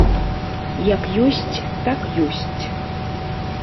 Як ёсць, так ёсць.